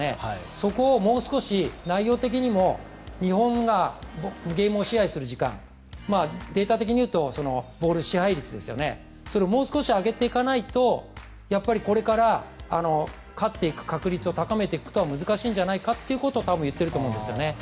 そこを、もう少し内容的にも日本がゲームを支配する時間データ的に言うとボール支配率をもう少し上げていかないとやっぱりこれから勝っていく確率を高めていくのは難しいんじゃないかということを言っていると思います。